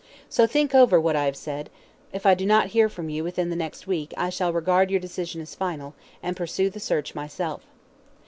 So think over what I have said; if I do not hear from you within the next week, I shall regard your decision as final, and pursue the search myself.